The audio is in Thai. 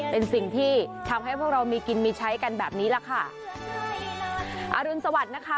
เป็นสิ่งที่ทำให้พวกเรามีกินมีใช้กันแบบนี้แหละค่ะอรุณสวัสดิ์นะคะ